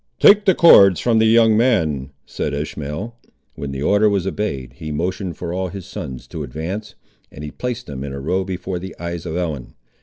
"Take the cords from the young man," said Ishmael. When the order was obeyed, he motioned for all his sons to advance, and he placed them in a row before the eyes of Ellen.